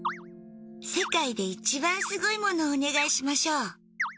世界でいちばんすごいものをお願いしましょう。